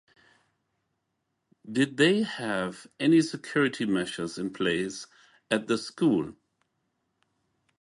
Did they have any security measures in place at the school?